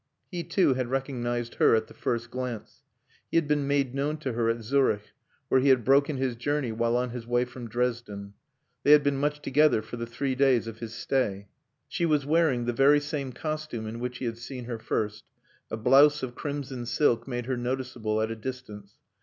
He, too, had recognized her at the first glance. He had been made known to her at Zurich, where he had broken his journey while on his way from Dresden. They had been much together for the three days of his stay. She was wearing the very same costume in which he had seen her first. A blouse of crimson silk made her noticeable at a distance.